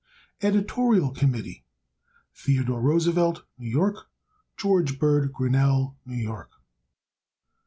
Editorial Committee. Theodore Roosevelt, New York. George Bird Grinnell, New York.